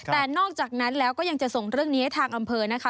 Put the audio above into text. แต่นอกจากนั้นแล้วก็ยังจะส่งเรื่องนี้ให้ทางอำเภอนะคะ